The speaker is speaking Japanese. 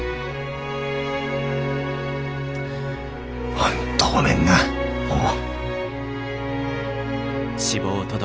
本当ごめんなもう。